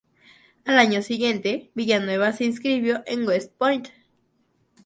Al año siguiente, Villanueva se inscribió en West Point.